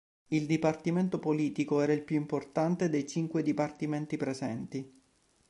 Il dipartimento politico era il più importante dei cinque dipartimenti presenti.